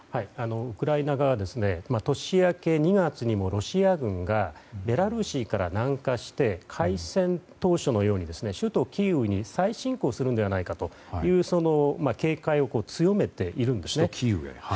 ウクライナ側は年明け２月にもロシア軍がベラルーシから南下して開戦当初のように首都キーウに再侵攻するのではないかという警戒を強めているんですね。